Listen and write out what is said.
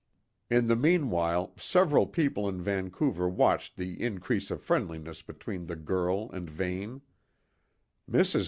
In the meanwhile, several people in Vancouver watched the increase of friendliness between the girl and Vane. Mrs.